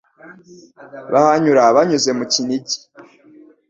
baahanyura banyuze mu Kinigi,